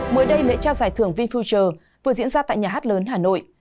mới đây lễ trao giải thưởng vinfucher vừa diễn ra tại nhà hát lớn hà nội